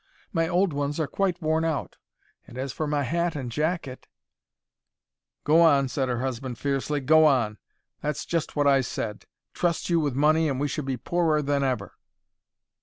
My old ones are quite worn out, and as for my hat and jacket—" "Go on," said her husband, fiercely. "Go on. That's just what I said: trust you with money, and we should be poorer than ever."